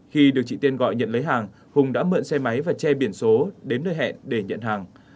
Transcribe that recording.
khi được chị tiên gọi nhận lấy hàng hùng đã mượn xe máy và che biển số đến nơi hẹn để nhận hàng